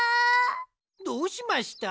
どうしました？